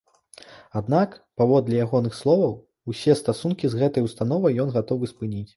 Аднак, паводле ягоных словаў, усе стасункі з гэтай установай ён гатовы спыніць.